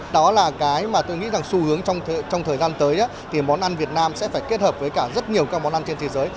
đó là cái mà tôi nghĩ rằng xu hướng trong thời gian tới thì món ăn việt nam sẽ phải kết hợp với cả rất nhiều các món ăn trên thế giới